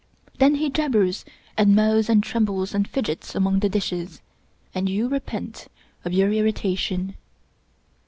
Then he jabbers and mows and trembles and fidgets among the dishes, and you repent of your irritation.